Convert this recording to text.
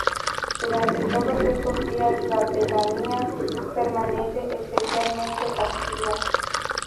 Durante todos estos días, la pedanía permanece especialmente activa.